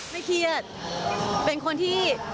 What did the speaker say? ไม่เครียดเป็นคนที่